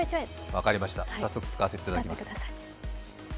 分かりました、早速使わせていただきます。